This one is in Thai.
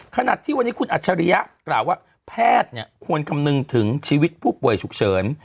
ขณะที่วันนี้คุณอัจฉริยะกล่าวว่าแพทย์ควรคำนึงถึงชีวิตผู้ป่วยฉุกเฉิน